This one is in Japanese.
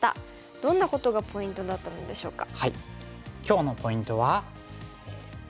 どんなことがポイントだったのでしょうか？